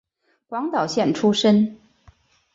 广岛县出身。